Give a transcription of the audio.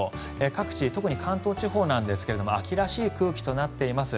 各地、特に関東地方ですが秋らしい空気となっています。